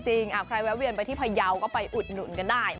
ใครแวะเวียนไปที่พยาวก็ไปอุดหนุนกันได้